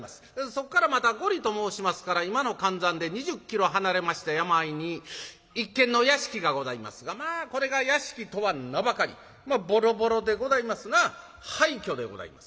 そっからまた５里と申しますから今の換算で２０キロ離れました山あいに一軒の屋敷がございますがまあこれが屋敷とは名ばかりボロボロでございますな廃虚でございます。